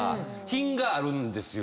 品があるんですよ